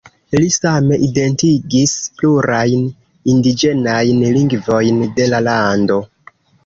Li same identigis plurajn indiĝenajn lingvojn de la lando.